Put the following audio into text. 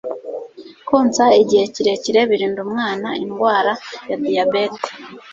Konsa igihe kirekire birinda umwana indwara ya diyabete